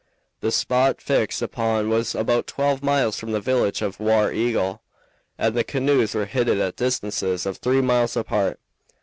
The spot fixed upon was about twelve miles from the village of War Eagle, and the canoes were hidden at distances of three miles apart.